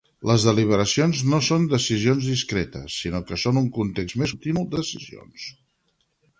Les deliberacions no són decisions discretes, sinó que són un context més continu de decisions.